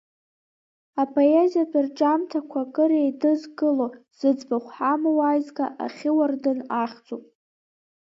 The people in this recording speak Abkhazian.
Апоезиатә рҿиамҭақәа акыр еидызкыло, зыӡбахә ҳамоу аизга Ахьы уардын ахьӡуп.